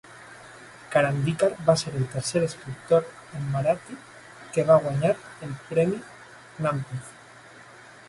Karandikar va ser el tercer escriptor en marathi que va guanyar el premi Jnanpith.